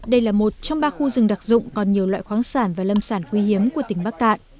đây là một trong ba khu rừng đặc dụng còn nhiều loại khoáng sản và lâm sản quý hiếm của tỉnh bắc cạn